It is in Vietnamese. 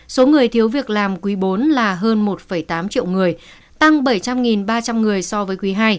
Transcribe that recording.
số người thiếu việc làm quý bốn là hơn một tám triệu người tăng bảy trăm linh ba trăm linh người so với quý ii